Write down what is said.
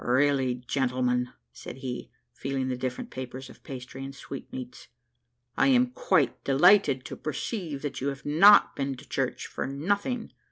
"Really, gentlemen," said he, feeling the different papers of pastry and sweetmeats, "I am quite delighted to perceive that you have not been to church for nothing.